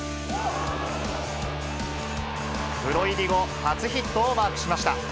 プロ入り後初ヒットをマークしました。